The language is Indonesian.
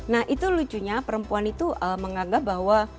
nah itu lucunya perempuan itu mengagak bahwa